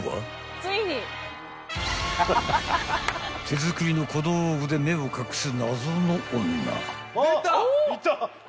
［手作りの小道具で目を隠す］